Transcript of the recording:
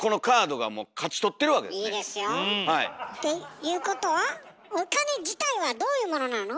いいですよ！っていうことはお金自体はどういうものなの？